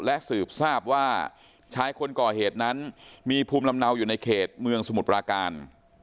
และสืบทราบว่าชายคนก่อเหตุนั้นมีภูมิลำเนาอยู่ในเขตเมืองสมุทรปราการ